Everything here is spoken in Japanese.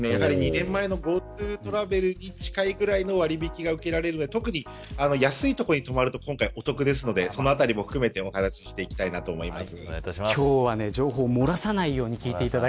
２年前のＧｏＴｏトラベルに近いぐらいの割引が受けられるので特に安い所に泊まると今回、特にお得ですのでそのあたりも含めてお話していきたいと思います。